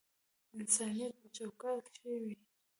انسانیت په چوکاټ کښی وی